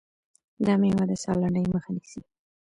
دا مېوه د ساه لنډۍ مخه نیسي.